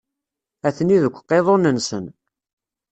Atni deg uqiḍun-nsen.